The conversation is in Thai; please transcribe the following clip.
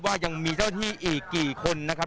ว่ายังมีเจ้าที่อีกกี่คนนะครับ